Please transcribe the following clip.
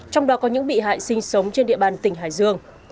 trong đó có những bị hại sinh sống trên địa bàn tỉnh hải dương